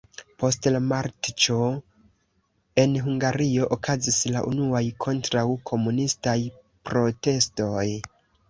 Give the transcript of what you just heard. Post la matĉo en Hungario okazis la unuaj kontraŭ-komunistaj protestoj.